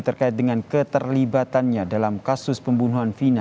terkait dengan keterlibatannya dalam kasus pembunuhan vina